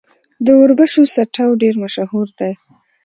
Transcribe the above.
د وربشو سټو ډیر مشهور دی.